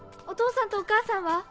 お父さんとお母さんは？